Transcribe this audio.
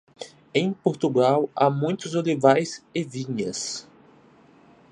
Em Portugal há muitos olivais e vinhas.